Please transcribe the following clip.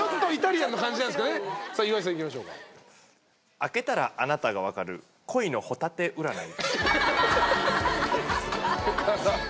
開けたらアナタがわかる恋のホタテ占い。